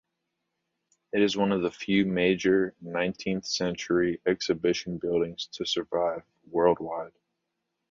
It is one of the few major nineteenth-century exhibition buildings to survive worldwide.